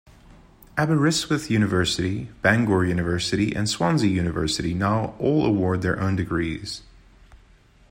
Aberystwyth University, Bangor University, and Swansea University now all award their own degrees.